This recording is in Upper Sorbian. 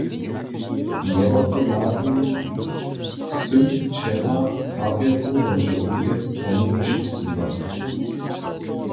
Njewotpohladnje sym wčera papjeru do žołteje tony ćisnyła.